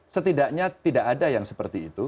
setidaknya tidak ada yang seperti itu